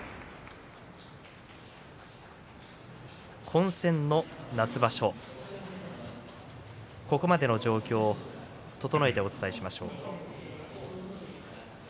混戦の夏場所ここまでの状況を整えてお伝えしましょう。